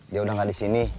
dia udah gak disini